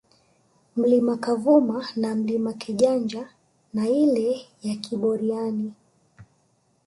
Mlima Kavuma na Mlima Kejanja na ile ya Kiboriani